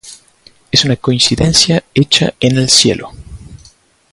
Es una coincidencia hecha en el cielo.